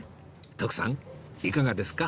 徳さんいかがですか？